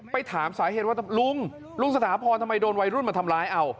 ไปถามสาเหตุว่าลุงลุงสถาพรทำไมโดนวัยรุ่นมาทำร้ายเอา